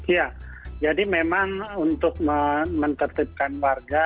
ya jadi memang untuk menertibkan warga